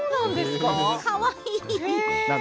かわいい！